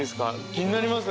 気になりますよね。